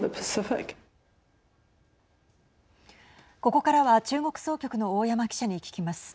ここからは中国総局の大山記者に聞きます。